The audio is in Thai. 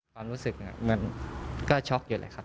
ความรู้สึกมันก็ช็อกอยู่เลยครับ